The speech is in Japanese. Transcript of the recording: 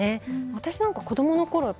私なんか子供のころ